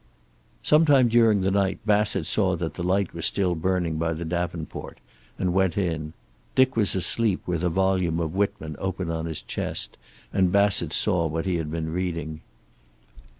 Sometime during the night Bassett saw that the light was still burning by the davenport, and went in. Dick was asleep with a volume of Whitman open on his chest, and Bassett saw what he had been reading.